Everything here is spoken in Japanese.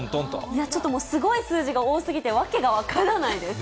いやちょっと、もうすごい数字が多すぎて、訳が分からないです。